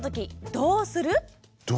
どうする。